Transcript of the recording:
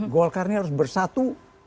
golkar ini harus bersatu